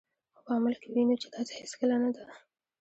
خو په عمل کې وینو چې داسې هیڅکله نه ده.